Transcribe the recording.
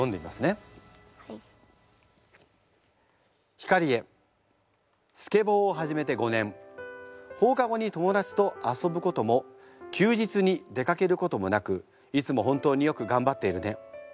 「晃へスケボーを始めて５年放課後に友達と遊ぶことも休日に出かけることもなくいつも本当によく頑張っているね。